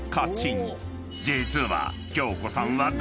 ［実は］